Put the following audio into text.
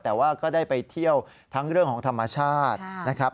แต่ว่าก็ได้ไปเที่ยวทั้งเรื่องของธรรมชาตินะครับ